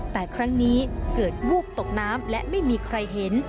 แต่ครั้งนี้เกิดวูบตกน้ำและไม่มีใครเห็น